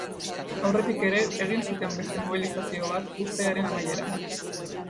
Aurretik ere egin zuten beste mobilizazio bat uztailaren amaieran.